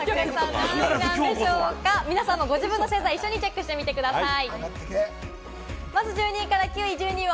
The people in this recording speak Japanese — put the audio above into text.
皆さんもご自身の星座をチェックしてみてください。